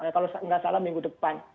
kalau nggak salah minggu depan